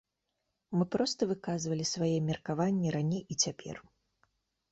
Мы проста выказвалі свае меркаванні раней і цяпер.